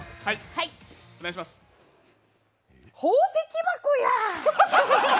宝石箱やぁ。